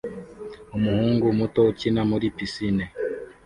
Umuhungu muto ukina muri pisine